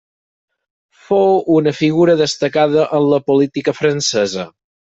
Fou una figura destacada en la política francesa.